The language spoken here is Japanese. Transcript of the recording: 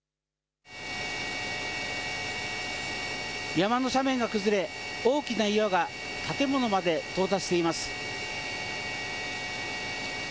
山の斜面が崩れ、大きな岩が建物まで到達しています。